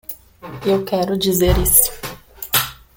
Eu quero dizer isso.